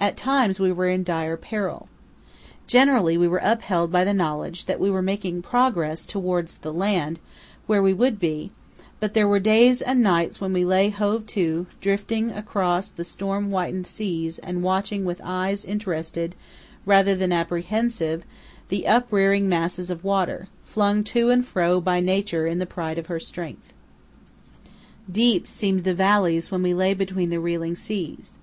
At times we were in dire peril. Generally we were upheld by the knowledge that we were making progress towards the land where we would be, but there were days and nights when we lay hove to, drifting across the storm whitened seas and watching with eyes interested rather than apprehensive the uprearing masses of water, flung to and fro by Nature in the pride of her strength. Deep seemed the valleys when we lay between the reeling seas.